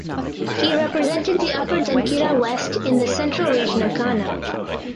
He represented the Upper Denkyira West in the Central region of Ghana.